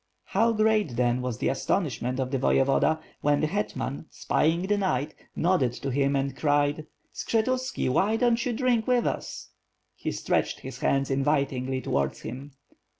How great, then, was the astonishment of the Voyevoda, when the hetman, spying the knight, nodded to him and cried: "Skshetuski, why don't you drink with us?" He stretched his hands invitingly towards him.